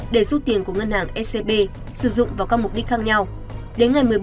để rút tiền của ngân hàng scb sử dụng vào các mục đích khác nhau